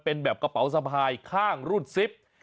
เป็นแบบกระเป๋าสะพายข้างรูดซิป